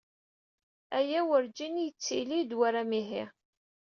Aya werǧin yettili-d war amihi.